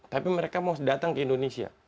tapi mereka mau datang ke indonesia